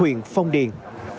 huyện phong điền